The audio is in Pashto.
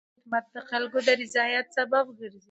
خدمت د خلکو د رضایت سبب ګرځي.